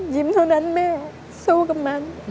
เท่านั้นแม่สู้กับมัน